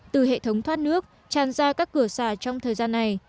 từ hệ thống thoát nước tràn ra các cửa xả trong thời gian này